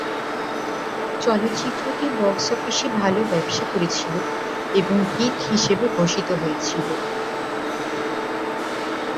চলচ্চিত্রটি বক্স অফিসে ভালো ব্যবসা করেছিলো এবং "হিট" হিসেবে ঘোষিত হয়েছিলো।